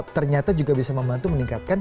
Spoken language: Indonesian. ternyata juga bisa membantu meningkatkan